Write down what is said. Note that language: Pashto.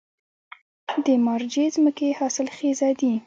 د مارجې ځمکې حاصلخیزه دي